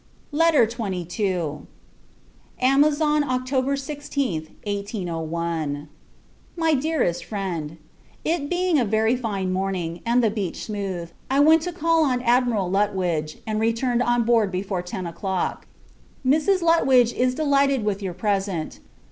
LETTER XXII. Amazon October 16th, 1801. MY DEAREST FRIEND, It being a very fine morning, and the beach smooth, I went to call on Admiral Lutwidge, and returned on board before ten o'clock. Mrs. Lutwidge is delighted with your present.